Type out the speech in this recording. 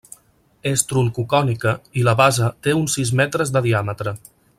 És troncocònica i la base té uns sis metres de diàmetre.